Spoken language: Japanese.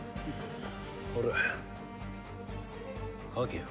ほら書けよ。